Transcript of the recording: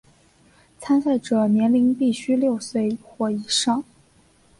参赛者年龄必须六岁或以上。